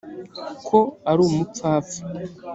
ko ari umupfapfa